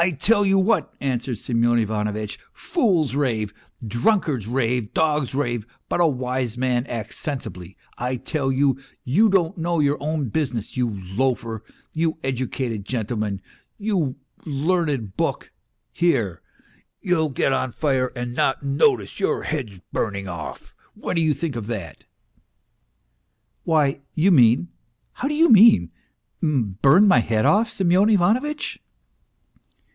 tell you what," answered Semyon Ivanovitch, " fools rave, drunkards rave, dogs rave, but a wise man acts sensibly. I tell you, you don't know your own business, you loafer, you educated gentleman, you learned book ! Here, you'll get on fire and not notice your head's burning off. What do you think of that ?"" Why ... you mean ... How do you mean, burn my head off, Semyon Ivanovitch